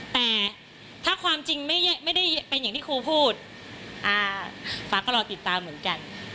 แต่ถ้าความจริงไม่ได้เป็นอย่างที่ครูพูดฟ้าก็รอติดตามเหมือนกัน